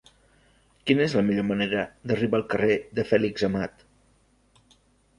Quina és la millor manera d'arribar al carrer de Fèlix Amat?